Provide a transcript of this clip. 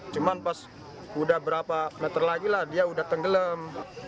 cuman pas udah berapa meter lagi lah dia udah tenggelam